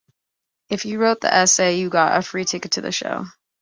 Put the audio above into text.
If you wrote the essay, you got a free ticket to the show.